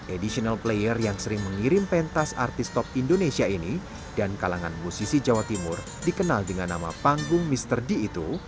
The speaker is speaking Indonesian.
additional player yang sering mengirim pentas artis top indonesia ini dan kalangan musisi jawa timur dikenal dengan nama panggung mr d itu